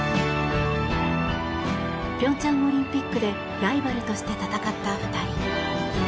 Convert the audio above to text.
平昌オリンピックでライバルとして戦った２人。